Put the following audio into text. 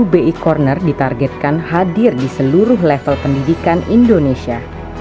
bi corner ditargetkan hadir di seluruh level pendidikan indonesia